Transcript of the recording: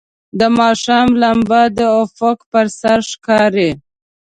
د ماښام لمبه د افق پر سر ښکاري.